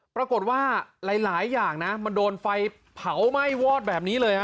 ปรากฏว่าหลายอย่างนะมันโดนไฟเผาไหม้วอดแบบนี้เลยฮะ